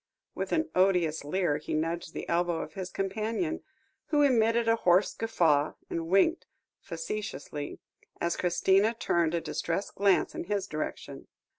with an odious leer he nudged the elbow of his companion, who emitted a hoarse guffaw, and winked facetiously, as Christina turned a distressed glance in his direction.